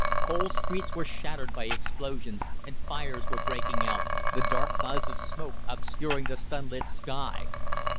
Whole streets were shattered by explosions, and fires were breaking out, the dark clouds of smoke obscuring the sunlit sky.